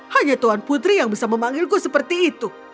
hanya tuan putri yang bisa memanggilku seperti itu